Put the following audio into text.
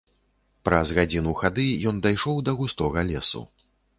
Праз гадзіну хады ён дайшоў да густога лесу.